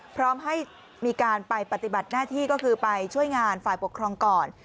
พร้อมให้มีการไปปฏิบัติหน้าที่ก็คือไปช่วยงานฝ่ายปกครองก่อน